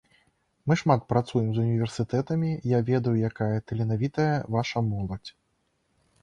Мы шмат працуем з універсітэтамі, я ведаю, якая таленавітая ваша моладзь.